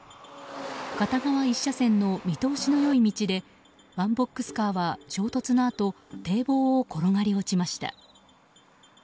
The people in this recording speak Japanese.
片側１車線の見通しの良い道でワンボックスカーは衝突のあと堤防を転がり落ちました。